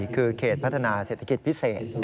คือเขตพัฒนาเศรษฐกิจพิเศษ